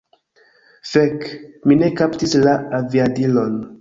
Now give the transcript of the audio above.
Fek! Mi ne kaptis la aviadilon!